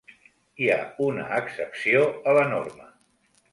Hi ha una excepció a la norma.